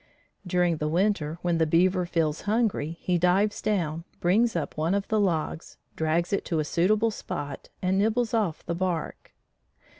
During the winter when the beaver feels hungry, he dives down, brings up one of the logs, drags it to a suitable spot and nibbles off the bark.